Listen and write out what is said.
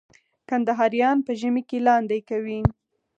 کندهاریان په ژمي کي لاندی کوي.